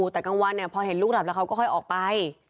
แต่กลางวันเนี่ยพอเห็นลูกหลับแล้วเขาก็ค่อยออกไป